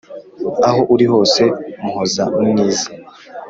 Aho uri hose muhoza mwiza,